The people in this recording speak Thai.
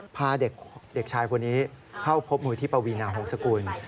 พาเด็กชายคนนี้เข้าพบมูลที่ปวีนาหงษกุล